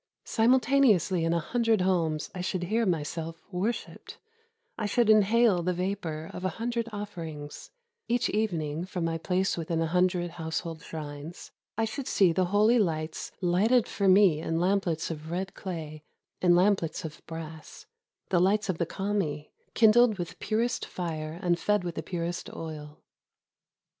Simultaneously in 364 HOW IT WOULD FEEL TO BE A SHINTO GOD a hundred homes I should hear myself worshiped, I should inhale the vapor of a hundred offerings: each evening, from my place within a hundred household shrines, I should see the holy lights lighted for me in lamplets of red clay, in lamplets of brass, — the lights of the Kami, kindled with purest fire and fed with purest oil.